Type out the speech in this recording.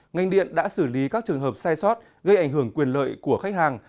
ngành điện đã xử lý các trường hợp sai sót gây ảnh hưởng quyền lợi của khách hàng